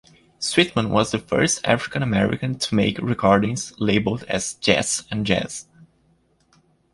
Sweatman was the first African American to make recordings labeled as "Jass" and "Jazz".